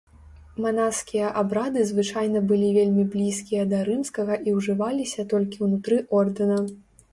Манаскія абрады звычайна былі вельмі блізкія да рымскага і ўжываліся толькі ўнутры ордэна.